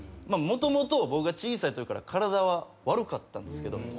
もともと僕が小さいときから体は悪かったんですけど。